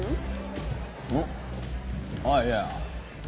あっいや